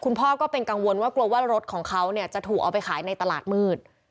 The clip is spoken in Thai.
พ่อก็เป็นกังวลว่ากลัวว่ารถของเขาเนี่ยจะถูกเอาไปขายในตลาดมืด